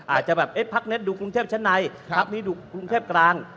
อาจจะแบบพักเล็กดูกรุงเทพชั้นในพักนี้ดูกรุงเทพกลาง